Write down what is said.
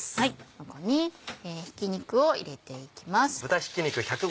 ここにひき肉を入れていきます。